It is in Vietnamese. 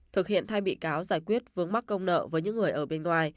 thực hiện thay bị cáo giải quyết vướng mắc công nợ với những người ở bên ngoài